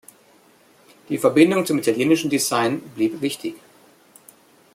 Die Verbindung zum italienischen Design blieb wichtig.